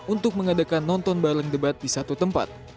untuk mengadakan nonton bareng debat di satu tempat